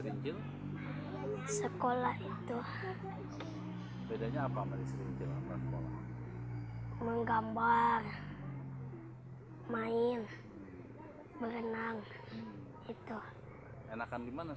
menulis bahasa agama tema